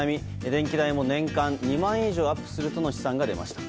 電気代も年間２万円以上アップするとの試算が出ました。